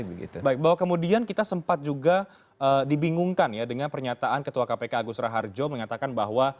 baik bahwa kemudian kita sempat juga dibingungkan ya dengan pernyataan ketua kpk agus raharjo mengatakan bahwa